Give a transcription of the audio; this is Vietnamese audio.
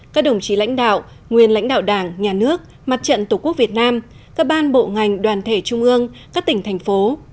các đồng chí lãnh đạo nguyên lãnh đạo đảng nhà nước mặt trận tổ quốc việt nam các ban bộ ngành đoàn thể trung ương các tỉnh thành phố